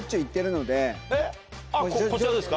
えっこちらですか。